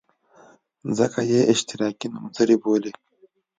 ځکه یې اشتراکي نومځري بولي.